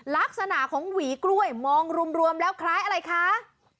ลักษณะของหวีกล้วยมองรวมแล้วคล้ายอะไรคะ